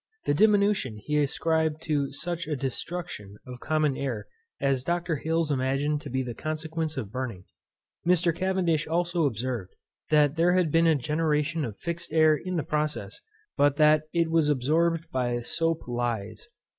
This diminution he ascribed to such a destruction of common air as Dr. Hales imagined to be the consequence of burning. Mr. Cavendish also observed, that there had been a generation of fixed air in this process, but that it was absorbed by sope leys.